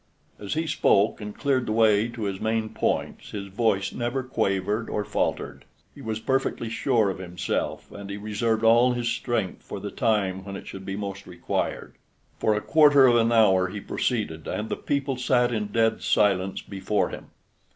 As he spoke and cleared the way to his main points, his voice never quavered or faltered. He was perfectly sure of himself, and he reserved all his strength for the time when it should be most required. For a quarter of an hour he proceeded, and the people sat in dead silence before him.